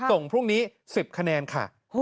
ส่งพรุ่งนี้๑๐คะแนนค่ะ